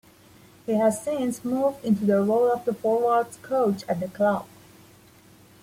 He has since moved into the role of forwards coach at the club.